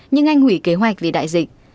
nhưng anh hủy kế hoạch vì đại dịch